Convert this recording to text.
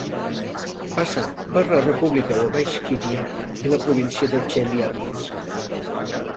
Passa per la República de Baixkíria i la província de Txeliàbinsk.